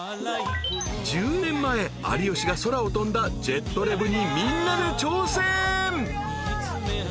［１０年前有吉が空を飛んだジェットレブにみんなで挑戦］